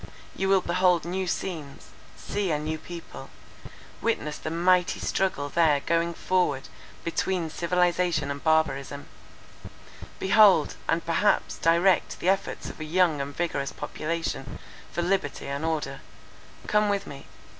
You will behold new scenes; see a new people; witness the mighty struggle there going forward between civilization and barbarism; behold, and perhaps direct the efforts of a young and vigorous population, for liberty and order. Come with me.